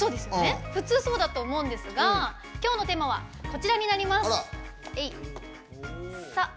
普通そうだと思うんですが今日のテーマはこちらになります。